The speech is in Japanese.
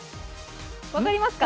分かりますか？